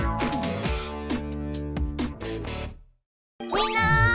みんな！